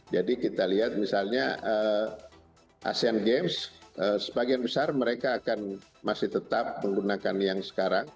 jadi kita lihat misalnya asean games sebagian besar mereka akan masih tetap menggunakan yang sekarang